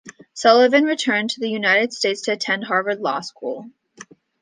Sullivan returned to the United States to attend Harvard Law School.